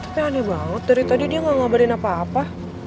saya aneh banget dari tadi dia nggak ngabarin apa apa